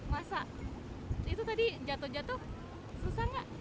masa itu tadi jatuh jatuh susah nggak